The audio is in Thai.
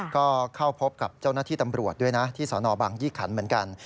ก็เข้าพบกับเจ้าหน้าที่ตำรวจด้วยนะที่สนบังยี่ขันเหมือนกัน